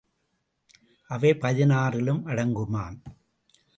அவை பதினாறிலும் அடங்குமாம்.